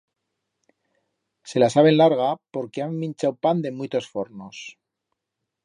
Se la saben larga porque han minchau pan de muitos fornos.